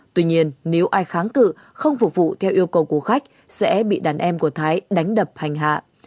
tuy nhiên nếu ai kháng cự không phục vụ theo yêu cầu của khách sẽ bị đàn em của thái đánh đập hành hạ